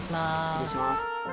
失礼します。